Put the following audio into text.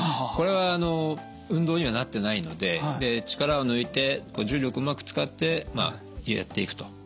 これはあの運動にはなってないので力を抜いて重力うまく使ってまあやっていくと。